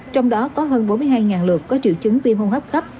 trong đó có hơn bốn mươi hai lượt có triệu chứng viêm hôn hấp khắp